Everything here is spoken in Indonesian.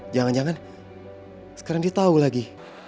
jangan jangan sekarang dia tahu lagi